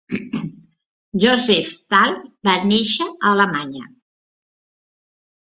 Yoseftal va néixer a Alemanya.